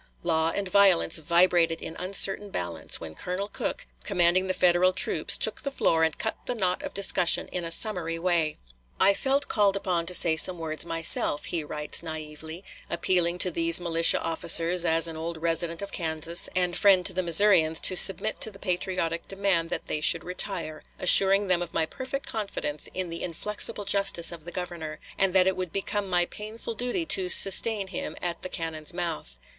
Law and violence vibrated in uncertain balance, when Colonel Cooke, commanding the Federal troops, took the floor and cut the knot of discussion in a summary way. "I felt called upon to say some words myself," he writes naïvely, "appealing to these militia officers as an old resident of Kansas and friend to the Missourians to submit to the patriotic demand that they should retire, assuring them of my perfect confidence in the inflexible justice of the Governor, and that it would become my painful duty to sustain him at the cannon's mouth."